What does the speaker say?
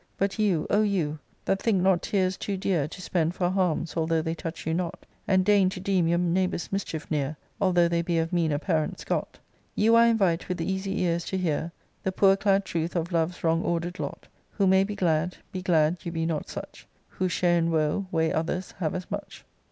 But you, O you, that think hot tears too dear To spend for harms, although they touch you not, And deign to deem your neighbours' mischief near, Although they be of meaner parents got : You I invite with easy ears to hear The poor clad truth of love's wrong order'd lot. Who may be glad, be glad you be not such ; Who share in woe, weigh others have as much.